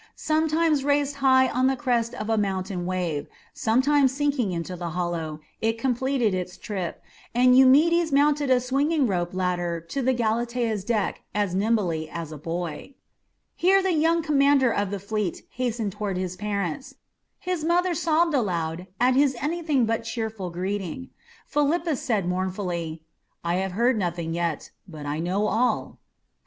Sometimes raised high on the crest of a mountain wave, sometimes sinking into the hollow, it completed its trip, and Eumedes mounted a swinging rope ladder to the Galatea's deck as nimbly as a boy. Here the young commander of the fleet hastened toward his parents. His mother sobbed aloud at his anything but cheerful greeting; Philippus said mournfully, "I have heard nothing yet, but I know all."